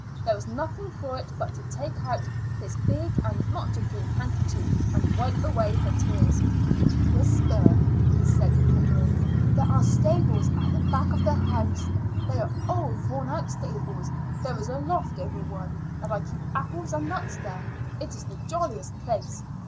There was nothing for it but to take out his big and not too clean handkerchief and wipe her tears away. "Whisper," he said in her ear. "There are stables at the back of the house; they are old, worn out stables. There is a loft over one, and I keep apples and nuts there. It's the jolliest place.